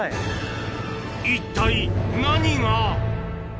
一体、何が？